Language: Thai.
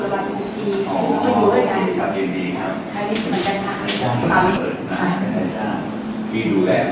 เป็นคุณแม่ด้วยแม่ของตัวเอง